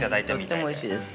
◆とってもおいしいです。